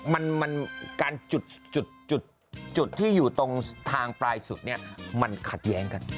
มันมันการจุดจุดจุดจุดที่อยู่ตรงทางปลายสุดเนี้ยมันขัดแย้งกัน